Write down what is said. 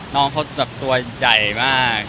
น้องเขาแบบตัวใหญ่มาก